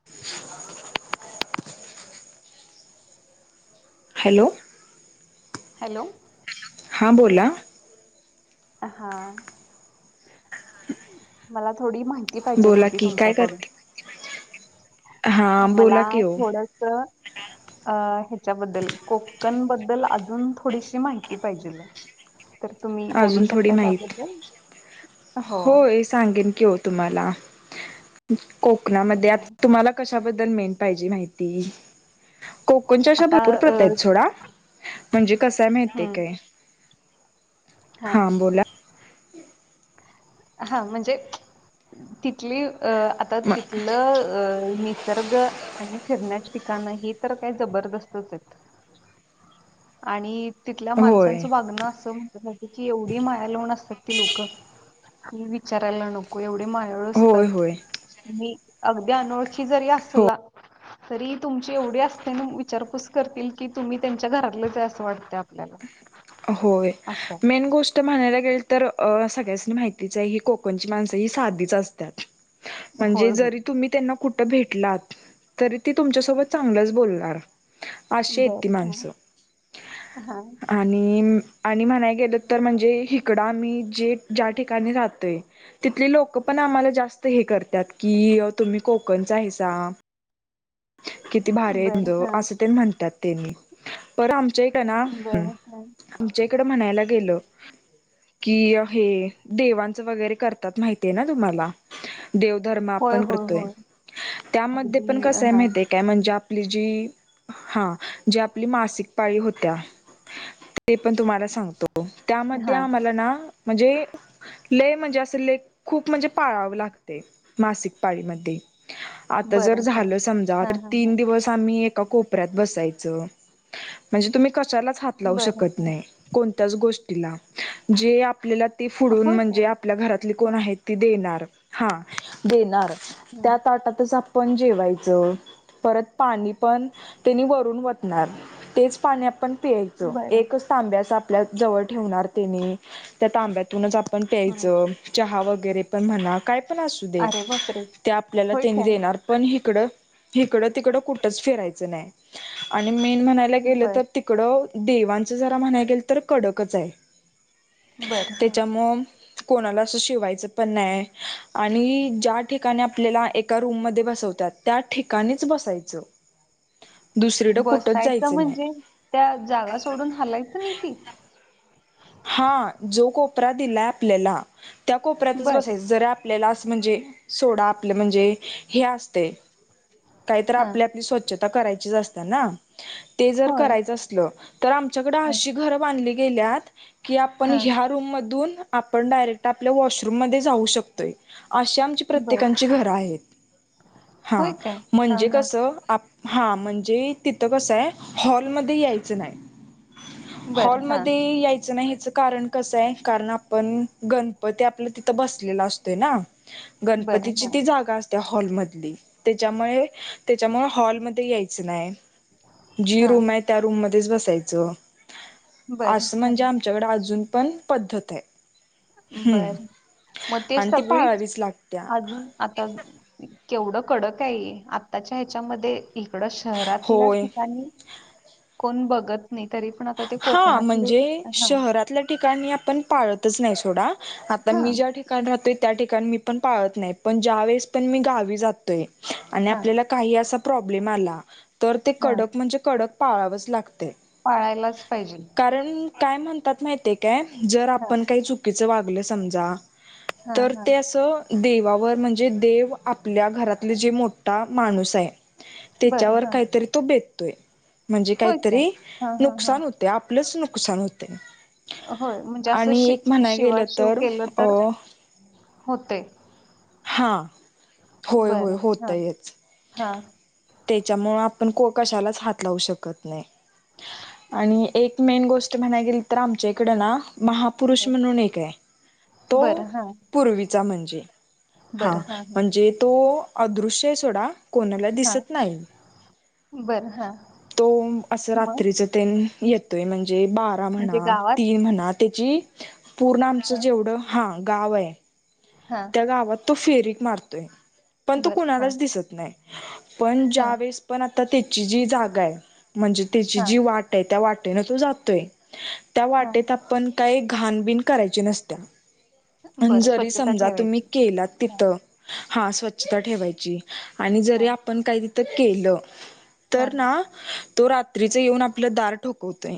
[unintelligible] हॅलोंव. हैलोंव. हां बोला. हा, मला थोडी माहिती ती पाहिजेल बोला होती. की काय तुमच्याकडून करते हां मला बोला की हो थोडंस अ ह्याच्याबद्दल कोकण बद्दल अजून थोडीशी माहिती पाहिजेल. तर तुम्ही बोलू अजून थोडी शकता. माहीत त्याबद्दल हो होय सांगेन की हो तुम्हाला. कोकणामध्ये हा आता तुम्हाला कशाबद्दल मेन पाहिजे माहिती. कोकणच्या अशा आता भरपूर अ प्रता आहेत सोडा, म्हणजे कसाय माहिती हम्म काय? हा बोला. हा म्हणजे तिथली अ आता म तिथलं अ मी निसर्ग आणि फिरण्याचे ठिकाणं हे तर काही जबरदस्तच आहेत. आणि तिथल्या होय माणसांचं वागणं असं म्हणंतात ना त्याची एवढी माया लाऊन असतात ती लोकं विचारायला नको, एवढे मायळू होय असतात. होय मी अगदी अनोळखी जरी हो असला. तरी तुमची एवढी असते न, विचारपूस करतील की, तुम्ही त्यांच्या घरातलं आहे. असं वाटते आपल्याला होय. असं आहे मेन गोष्ट त म्हणायला गेल तर सगळ्यांसनी माहितीच आहे. हे कोकणची माणसं ही साधीच असत्यात. म्हणजे होय होय जरी तुम्ही त्यांना कुठं भेटलात. तरी ते तुमच्यासोबत चांगलंच बोलणार. अशी आहेत ती बरं हा. हा, णि आणि म्हणाय गेलं तर म्हणजे हिकडं आमी जे ज्या ठिकाणी राहातंय तिथले लोक पण आम्हाला जास्त हे करतात की, तुम्ही कोकणच आहे सा. ते बर भारंद हा असं तेन म्हणतात त्यांनी. पर आमच्या इक ना, ह, बर हा आमच्या इकडं म्हणायला गेलो. कि हे देवांचं वगैरे करतात माहितीये ना, तुम्हाला देवधर्म होय आपण होय करतोय. होय त्यामध्ये अगदी पण कसं आहे हा माहिती आहे काय म्हणजे आपली जी हा जी आपली मासिक पाळी होत्या. ते पण तुम्हाला सांगतो. त्यामध्ये हा आम्हाला ना, म्हणजे लेय म्हणजे असं ले खूप म्हणजे पाळावं लागते. मासिक पाळीमध्ये. आता बर जर हा झालं समजा, हा हा हा तीन दिवस बस आम्ही एका कोपऱ्यात बसायचं म्हणजे तुम्ही कशालाच हात लावू बर शकत हा नाही. कोणत्याच गोष्टीला जे आपल्याला ते पुढून होय काय म्हणजे आपल्या घरातले कोण हं, आहेत. ते देणार. हा देणार हं, त्या ताटातच आपण जेवाय चं परत पाणी पण त्यानी वरून वतणार. तेच पाणी आपण पियायचं. बर एकच तांब्या अस आपल्या जवळ ठेवणार तेनी. त्या तांब्यातूनच आपण हं. प्यायचं. चहा वगैरे पण म्हणा काय पण असू दे. अरे बापरे ते आपल्याला होय त्यानी काय देणार. पण हिकडं हिकडं तिकडं कुठंच फिरायचं नाही. आणि मेन म्हणायला गेलं बर तर तिकडं देवांचं जरा म्हणाय गेल तर कडकच आहे. बर हा तेच्यामुळ कोणाला असं शिवायचं पण नाही. आणि ज्या ठिकाणी आपल्याला एका रूममध्ये बसवतात. त्या ठिकाणीच बसायचं. दुसरीकडं कुठंच बसायचं जायचं नाही म्हणजे त्या जागा सोडून हलायचं नाही ती. हा. जो कोपरा दिलाय आपल्याला त्या कोपऱ्यातच बरं. बसायचं. जर आप आपल्याला असं म्हणजे सोडा आपलं म्हणजे हे असतेय. काहीतर हां. आपली, आपली, स्वच्छता करायचीच असतात ना? ते जर होय. करायचं असलं, तर आमच्याकडे हं. अशी घरं बांधली गेल्यात की, आपण हां. ह्या रूममधून, आपण डायरेक्ट आपल्या वॉशरूममध्ये जाऊ शकतो य. अशी आमची बरं. प्रत्येकांची घरं आहेत. होय हां, काय? हां, म्हणजे हां. कसं आप हा म्हणजे, तिथं कसं आहे. हॉलमध्ये यायचं नाही. बरं. हां. हॉलमध्ये याय चं नाही. हेच कारण कसं आहे. कारण, आपण गणपती आपलं तिथं बसलेला असतोय ना. बरं. गणपतीची हां. ती जागा असते. हॉलमधली त्याच्यामुळे त्याच्यामुळे हॉलमध्ये यायचं नाही. जी हां. रूम आहे त्या रूम मध्येच बसायचं. बरं. असं म्हणजे, हां. आमच्याकडे अजून पण पद्धत आहे. हम्म बरं, मग ते आणि ती सगळीच पाळावीच लागत्या अजून आता, केवढं कडक आहे. आताच्या ह्याच्यामध्ये इकडं शहरातल्या होय ठिकाणी, कोण बघत नाही, तरी पण आता ते हा कोकणातले म्हणजे हा शहरातल्या ठिकाणी आपण पाळतच नाही. सोडा, आता मी हां. ज्या ठिक काण राहतोय, त्या ठिकाणी मी पण पाळत नाही. पण ज्या वेळेस पण मी गावी जातोय आणि हां. आपल्याला काही असा प्रॉब्लेम आला, तर ते हां. कडक म्हणजे कडक पाळावंच लागते. पाळायलाच पाहिजे. कारण, काय म्हणतात माहितेय काय, जर हां. आपण काही चुकीचं वागलं समजा हां. तर हां. ते असं देवावर म्हणजे, देव आपल्या घरातले जे मोठा माणूस आहे बरं. त्याच्यावर हां. काही तरी, तो बेततोय म्हणजे काही होय काय? तरी हां, हां, हां. ते आपलंच नुकसान होतयं. होय, म्हणजे असं शि शिवा गेलं शिव तर केलं अ तर होतयं. हा होय होय बरं हा हा. त्याच्यामुळे आपण को कशालाच हात लावू शकत नाही. आणि एक मेन गोष्ट म्हणाय गेली तर आमच्या इकडं ना महापुरुष हं म्हणून एक आहे. तो बरं हां पूर्वीचा म्हणजे बरं, हा, हा. तो अदृश्य सोडा. कोणाला हां दिसत नाही. बरं हां तो अस मग रात्रीच येतोय. म्हणजे, बारा म्हणजे म्हणा, गावात तीन म्हणा, त्याची पूर्ण आमचं जेवढं, हा, गाव आहे. हा. त्या गावात तो फेरीक मारतोय. पण तो बरं हां कुणालाच दिसत नाही. पण ज्या हां वेळेस पण आता त्याची जी जागा आहे. म्हणजे त्याची हां जी वाट त्या वाटेन तो जातोय. त्या हां वाटेत आपण काही घाण बिण करायची नसते. बरं, स्वच्छता ठेवा तुम्ही केलंत तिथं, हा स्वच्छता ठेवायची, आणि जरी हां आप आपण काही तिथं केलं तर हां ना तो रात्रीच येऊन आपलं दार ठोकवतयं.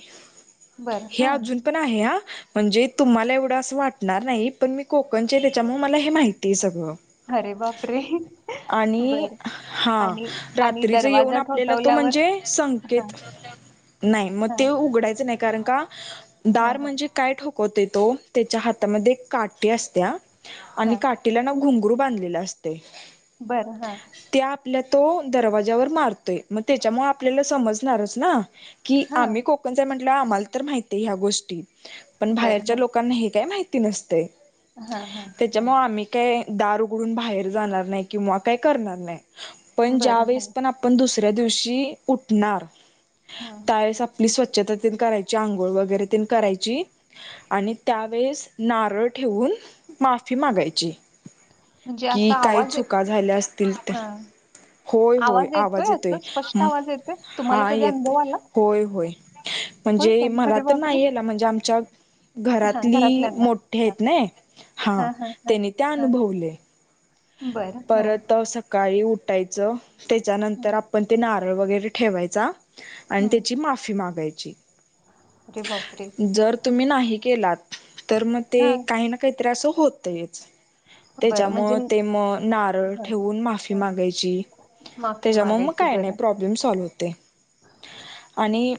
बरं हे हां अजून पण आहे. हा म्हणजे, तुम्हाला एवढं असं वाटणार नाही. पण मी कोकणचे [unintelligible] च्यामुळं मला हे माहितीय सगळं. अरे बापरे, आणि बरं हा आणि आणि रात्रीच येऊन दरवाजा आपल्याला तो ठोठावल्यावर म्हणजे हां संकेत नाही म हां ते उघडायचं नाही. कारण का हां दार हां म्हणजे काय ठोकवते तो त्याच्या हातामध्ये काठी असत्या आणि हां काठीला ना घुंगरू बांधलेला असतय बरं हा, त्या आपल्या तो दरवाज्यावर मारतोय, म त्याच्यामुळं आपल्याला समजणारच ना. की आम्ही हां कोकणच म्हटल्यावर आम्हाला तर माहितीय ह्या गोष्टी पण बरं बाहेरच्या लोक लोकांना हे काही माहिती नसतंय. हा- हा, त्याच्यामुळं आम्ही काय दार उघडून बाहेर जाणार नाही किंवा काय करणार नाही. पण ज्या बरं हां वेळेस पण आपण दुसऱ्या दिवशी उठणार हां त्यावेळेस आप आपली स्वच्छता तेन करायची आंघोळ वगैरे तेन करायची आणि त्यावेेळेस नारळ ठेवून माफी मागायची. म्हणजे की असा काही आवाज चुका झाल्या असतील तर हा होय- होय, आवाज येतोय असं स्पष्ट हं आवाज येतोय तुम्हाला कधी अनुभव आला येतोय होय- होय होय म्हणजे काय मला अरे तर बापरे नाही हेला म्हणजे आमच्या हा घरातली घरातल्यांना मोठे हा आहेत ना हा त्यानी त्या अनुभवलंय. बर हा तर त सकाळी उठायचं त्याच्यानंतर हम्म, आपण ते ना नारळ वैगरे ठेवायचा आणि हम्म. त्याची माफी मागायची. अरे बापरे जर तुम्ही नाही केलात, तर मग ते हा काही ना काहीतरी अंस होतयेच, बर म्हणजे त्याच्यामुळं ते म नारळ हा ठेवून माफी हा मागायची, माफी त्याच्यामुळे मग मागायची काय नाही बरं प्रोब बलेम सॉलव होते. आणि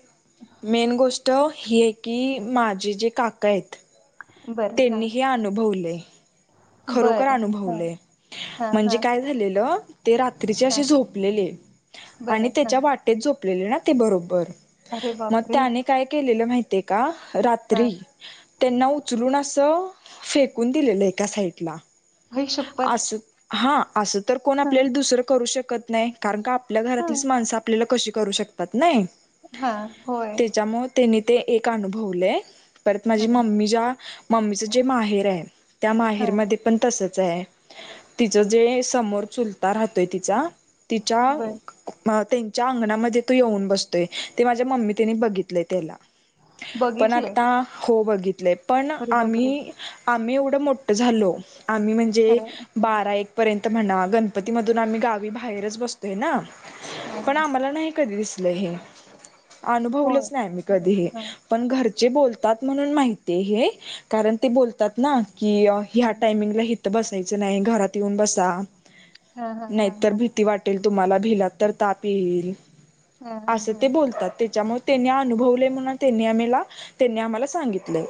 मेन गोष्ट ही ये की, माझे जे काका येत बरं हा त्यांनी हे अनुभवलंय, खरोखर बरं हा अनुभवलंय. हा हा म्हणजे काय झालेलं ते रात्रीचे हा अशे झोपलेले आणि बरं हा त्याच्या बा ते झोपलेले ना ते बरोबर, अरे मग बापरे त्याने काय केलेलं माहि ते का, हा रात्री त्यांना उचलून अस फेकून दिलेलं एका साईड डला, होय शपथ अस हा अस तर कोण हा आपल्याला दुसरं करू शकत नाही. कारण का आपल्या हा घरातलीच माणसं आपल्याला कशी करू शकतात नाही हा होय, त्याच्यामुळे त्यांनी ते एक अनुभवलंये परत हा माझं मम्मी ज्या, मम्मी च जे माहेर ये त् हा म ते पण तसच आहे, तिच जे समोर चुलता राहतोय तिचा तिच्या बर मं त्यांच्या अंगणामध्ये तो येऊन बसतो. ते माझ्या मम्मी त्यांनी बघितलंय त्याला, पण बघितलंय आता हो बघितलं. पण अरे बापरे आम्ही -आम्ही एवढं मोठं झालो, आम्ही म्हणजे खरं हा बारा- एक पर्यंत म्हणा गणपती मधून आम्ही गावी बाहेरच बसतोय ना हा पण हा आम्हाला नाही कधी दिसलं हे, होय. अनुभवलंच नाही आम्ही हां, कधी हे. हां, पण घरचे बोलतात म्हणून माहित हे, कारण ते बोलतात ना की अं हां, ह्या टायमिंगला इथ बसायचं नाही, घरात येऊन बसा हां, हां, हां, नाहीतर हां, भि भिती वाटेल तुम्हाला, भिलात तर ताप येईल, हां, हां, अस ते हां. बोलतात त्याच्यामुळं त्यांनी अनुभवले म्हणून त्यांनी आमहीला त्यांनी आम्हाला सांगितलं.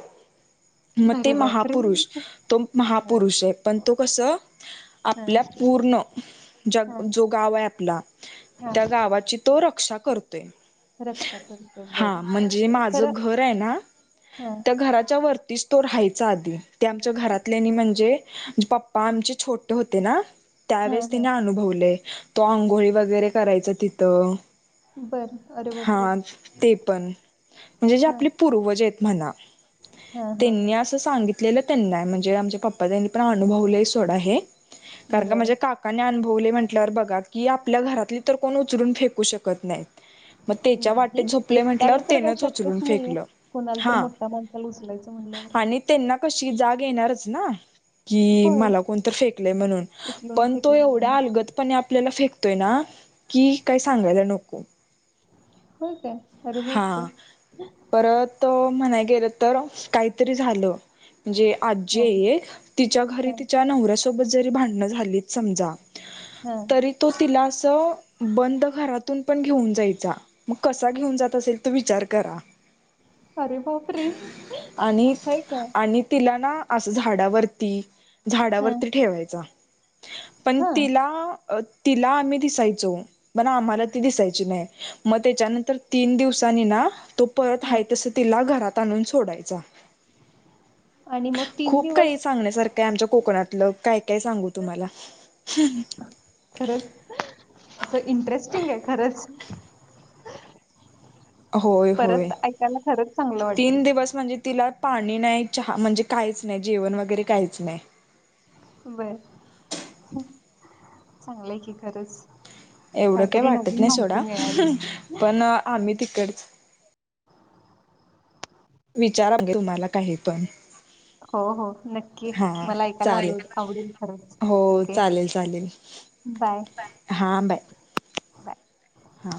म ते अरे बापरे! महापुरुष, तो हां, महापुरुष आहे पण तो कस हां, आपल्या पूर्ण जं हां, जो गाव आहे आपला त्या हां. गावाची तो रक्षा करतोय रक्षा करते हा बरं. म्हणजे माझ खरं घर आहे ना हां, त्या घराच्या वरती तो राहायचा आधी ते आमच्या घरात म्हणजे पपा आमचे छोटे होते ना हां, त्यावेळेस त्यांनी हां. अनुभवलय तो आंघोळी वगैरे करायचा तिथं बरं. अरे बापरे! हा ते पण म्हणजे जे आपले पूर्वज आहेत म्हणा ह ह सांगितलेले त्यांना ये म्हणजे आमच्या पपा त्यांनी पण अनुभवलं सोडा हे कारण की बरं. म्हणजे काक का अुभवले म्हटल्यावर बघा कि आपल्या घरातली तर कोण उचरून फेकू शकत नाही नाही एकट्याला तर काही तेनच उचलून शक्यच नाहीे फेकलं कुणाला तर हा मोठ माणसाला उचलायचं म्हणल्यावर आणि त्यांना कशी जाग येणारच ना कि होय, मला कोणतर फेकलय म्हणून उचलून पण तो फेकेल एवढ्या म्हणून. अलगतपण आप आपल्याला फेकतोय ना की काही सांगायला नको होय का हा परत म्हणाय गेलं तर काहीतरी झालं जी आजी हां, एक तिच्या घरी हां, तिच्या नवऱ्यासोबत जरी भांडणं झालीच समजा ह तरी तो तिला अस बंद घरातून पण घेऊन जायचा म कसा घेऊन जात असेल त विचार करा अरे बापरे आणि हय काय आणि तिला ना असं झाडावरती हां, झाडावरती ठेवायचा पण हां, तिला तिला आम्ही दिसायचो पण आम्हाला ती दिसायची नाही मग त्याच्यानंतर तीन दिवसांनी ना तो परत हां. आहेतस तिला घरात आणून सोडायचा आणि मग खूप काही दिवस सांगण्यासारखं काय आमच्या कोकणातलं काय काय सांगू तुम्हाला खरंच असं इंटरेस्टिंग आहे खरंच होय होय परत ऐकायला खरंच चांगलं वाटेल तीन दिवस म्हणजे तिला पाणी नाही चहा म्हणजे काहीच नाही जेवण वगैरे काहीच नाही बर चांगलंय की खरंच एवढं काही काहीतरी वाटत नवीन नाही माहिती सोडा मिळाली पण आम्ही तिकड विचारा तुम्हाला काही पण हो हो नक्की हा मला ऐकायला आव चालेल आवडेल खरंच हो ओके चालेल चालेल बाय हां बाय बाय हा